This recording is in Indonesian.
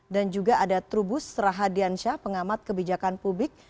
dan juga ada trubus rahadiansyah pengamat kebijakan publik